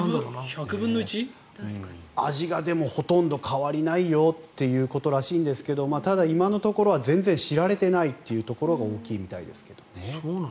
１００分の１？味が、でもほとんど変わりないよということらしいんですがただ、今のところは全然知られてないところが大きいみたいですけどね。